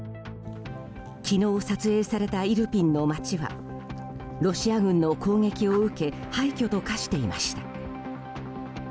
昨日、撮影されたイルピンの街はロシア軍の攻撃を受け廃墟と化していました。